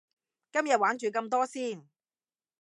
今日玩住咁多先